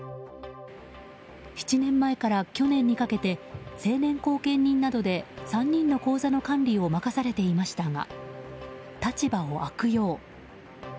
７年前から去年にかけて成年後見人などで３人の口座の管理を任されていましたが、立場を悪用。